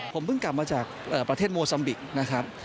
ผมเพิ่งกลับมาจากประเทศโมซัมบิกนะครับ